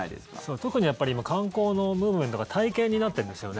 特に今観光のムーブメントが体験になってるんですよね。